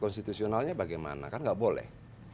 konstitusionalnya bagaimana kan nggak boleh